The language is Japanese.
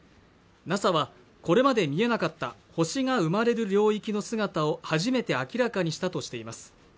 ＮＡＳＡはこれまで見えなかった星が生まれる領域の姿を初めて明らかにしたとしています